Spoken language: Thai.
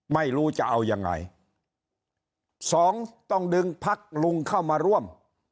ไม่รู้จะเอายังไงสองต้องดึงพักลุงเข้ามาร่วม